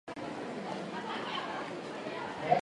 旅の途中で災難にあうたとえ。